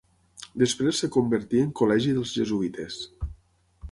Després es convertí en col·legi dels jesuïtes.